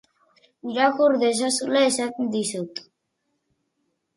Irakur dezazula esan dizut.